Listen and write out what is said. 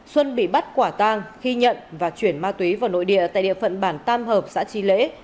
xuân bị bắt quả tang khi nhận và chuyển ma túy vào nội địa tại địa phận bản tam hợp xã tri lễ